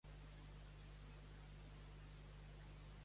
Ara Murray viu i treballa a Old Chatham, Nova York.